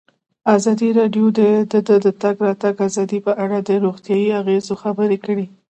ازادي راډیو د د تګ راتګ ازادي په اړه د روغتیایي اغېزو خبره کړې.